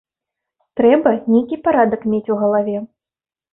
Трэба нейкі парадак мець у галаве!